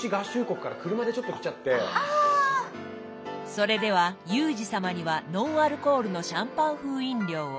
それではユージ様にはノンアルコールのシャンパン風飲料を。